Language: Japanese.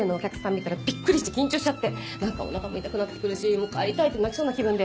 見たらびっくりして緊張しちゃって何かお腹も痛くなってくるしもう帰りたいって泣きそうな気分で。